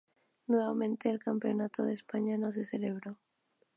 Nuevamente el Campeonato de España no se celebró.